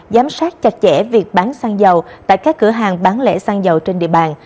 giám sát chặt chẽ việc bán xăng dầu tại các cửa hàng bán lẻ xăng dầu trên địa bàn